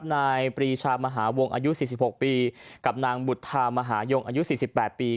นายปรีชามหาวงอายุ๔๖ปีกับนางบุตธามหายงอายุ๔๘ปี